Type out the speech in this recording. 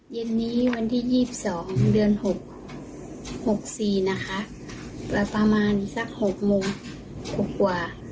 เย็นนี้วันที่๒๒เดือน๖๔นะคะประมาณสัก๖โมงกว่า